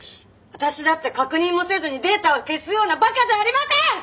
私だって確認もせずにデータを消すようなバカじゃありません！